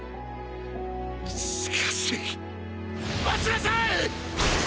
しかし待ちなさい！